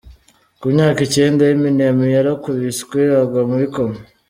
Ku myaka icyenda, Eminem yarakubiswe agwa muri coma.